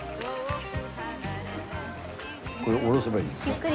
これを下ろせばいいんですか？